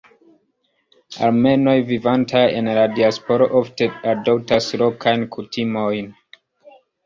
Armenoj vivantaj en la diasporo ofte adoptas lokajn kutimojn.